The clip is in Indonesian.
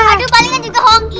aduh palingan juga honky